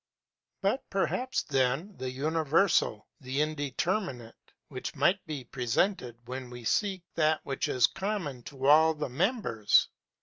But perhaps then, the Universal, the Indeterminate, which might be presented, when we seek that which is common to all the members?